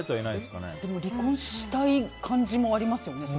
でも離婚したい感じもありますよね。